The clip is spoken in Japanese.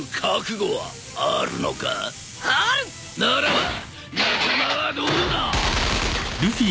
ならば仲間はどうだ？